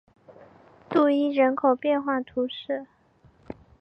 杜伊人口变化图示